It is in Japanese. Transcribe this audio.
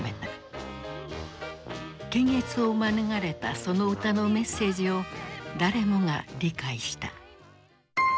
検閲を免れたその歌のメッセージを誰もが理解した。